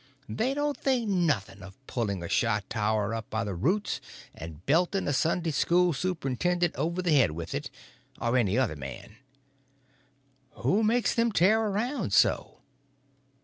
They don't think nothing of pulling a shot tower up by the roots, and belting a Sunday school superintendent over the head with it—or any other man." "Who makes them tear around so?"